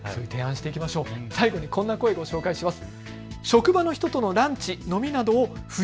最後にこんな声、ご紹介します。